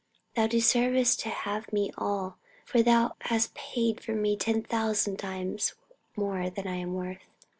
Thou deservest to have me all, for Thou hast paid for me ten thousand times more than I am worth!"